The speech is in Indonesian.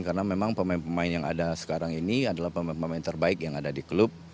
karena memang pemain pemain yang ada sekarang ini adalah pemain pemain terbaik yang ada di klub